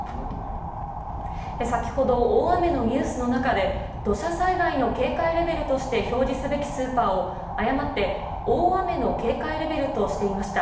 先ほど大雨のニュースの中で土砂災害の警戒レベルとして表示すべきスーパーを誤って大雨の警戒レベルとしていました。